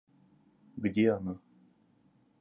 Где она?